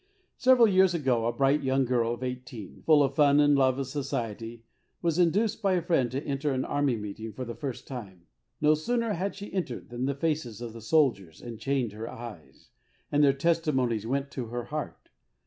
Several years ago a bright young girl of eighteen, full of fun and love of society, was induced by a friend to enter an Army meeting for the first time. No sooner had she entered than the faces of the soldiers enchained her eyes, and their testimonies went to her heart.